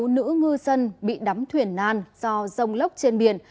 sáu nữ ngư dân bị đắm thuyền nan do rông lốc trên biển